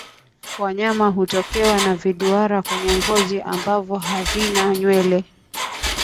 Wanyama hutokewa na viduara kwenye ngozi ambavyo havina nywele